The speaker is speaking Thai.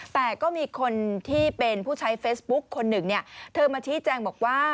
แต่ก็มีคนที่เป็นผู้ใช้เฟซบุ๊คคนหนึ่งเนี่ยเธอมาชี้แจงบอกว่า